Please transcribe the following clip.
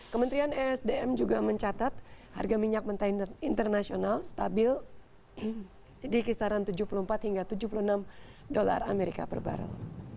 kementerian esdm juga mencatat harga minyak mentah internasional stabil di kisaran tujuh puluh empat hingga tujuh puluh enam dolar amerika per barrel